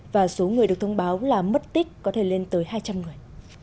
và số người được thông báo là mất tích có thể lên tới hai trăm linh người